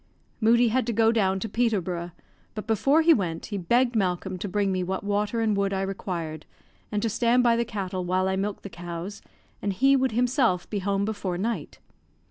Moodie had to go down to Peterborough; but before he went, he begged Malcolm to bring me what water and wood I required, and to stand by the cattle while I milked the cows, and he would himself be home before night.